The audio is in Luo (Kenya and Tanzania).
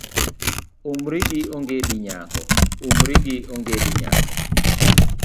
Umri gi ongedi nyako.